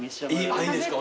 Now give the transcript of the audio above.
いいですか？